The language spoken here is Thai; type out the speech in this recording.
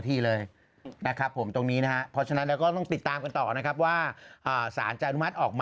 เขาบอกเสียชิ้นวิ่งแต่ห้าโมงเย็น